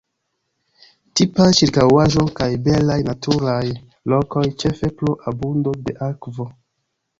Tipa ĉirkaŭaĵo kaj belaj naturaj lokoj ĉefe pro abundo de akvo.